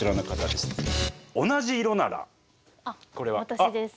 私です。